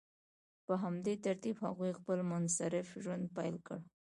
په همدې ترتیب هغوی خپل متصرف ژوند پیل کړ.